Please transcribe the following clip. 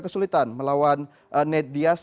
kesulitan melawan nate diaz